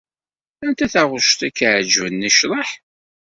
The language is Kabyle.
Anta taɣect i k-iɛeǧben i ccḍeḥ?